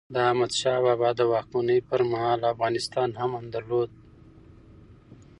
د احمد شاه بابا د واکمنۍ پرمهال، افغانستان امن درلود.